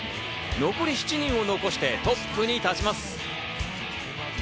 残り７人を残してトップに立ちます。